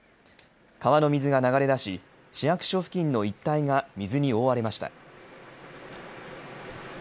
川の水が流れ出し市役所付近の一帯が水に覆われました。